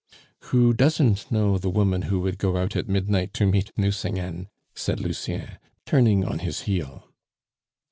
"Who doesn't know the woman who would go out at midnight to meet Nucingen?" said Lucien, turning on his heel.